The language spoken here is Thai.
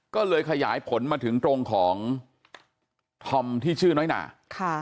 ก็เลยขยายผลมาถึงตรงของธอมที่ชื่อน้อยหนาค่ะ